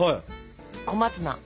小松菜。